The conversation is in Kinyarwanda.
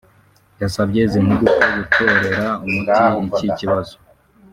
yasabye izi mpuguke gutorera umuti iki kibazo